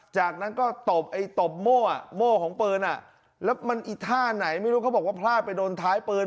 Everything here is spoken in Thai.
จากนั้นก็ตบไอ้ตบโม่อ่ะโม่ของปืนอ่ะแล้วมันอีท่าไหนไม่รู้เขาบอกว่าพลาดไปโดนท้ายปืน